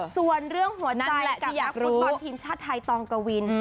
ส่วนเรื่องหัวใจกับนักฟุตบอลทีมชาติไทยตองกวิน